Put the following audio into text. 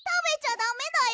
ダメだよ。